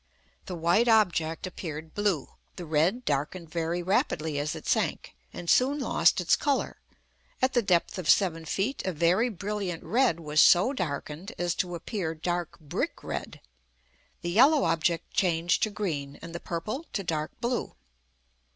The white object appeared blue, the red darkened very rapidly as it sank, and soon lost its colour; at the depth of seven feet a very brilliant red was so darkened as to appear dark brick red. The yellow object changed to green, and the purple to dark blue.